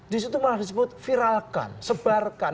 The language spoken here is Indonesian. di situ malah disebut viralkan sebarkan